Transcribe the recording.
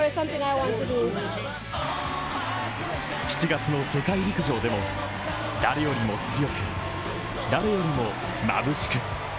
７月の世界陸上でも誰よりも強く、誰よりもまぶしく。